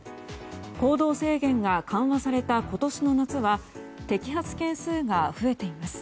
行動制限が緩和された今年の夏は摘発件数が増えています。